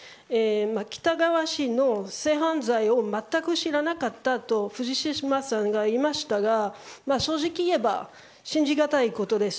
喜多川氏の性犯罪を全く知らなかったと藤島さんは言いましたが正直言えば信じがたいことです。